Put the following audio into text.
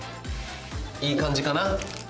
いい感じかな？